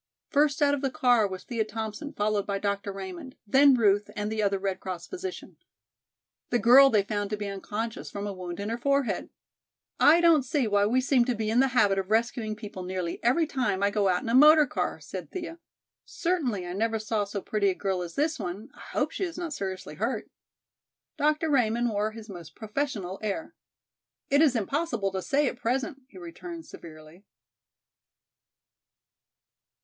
First out of the car was Thea Thompson followed by Dr. Raymond, then Ruth and the other Red Cross physician. The girl they found to be unconscious from a wound in her forehead. "I don't see why we seem to be in the habit of rescuing people nearly every time I go out in a motor car," said Thea. "Certainly I never saw so pretty a girl as this one, I hope she is not seriously hurt." Dr. Raymond wore his most professional air. "It is impossible to say at present," he returned severely.